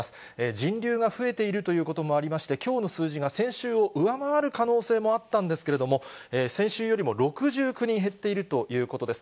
人流が増えているということもありまして、きょうの数字が先週を上回る可能性もあったんですけれども、先週よりも６９人減っているということです。